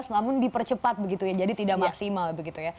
namun dipercepat begitu ya jadi tidak maksimal begitu ya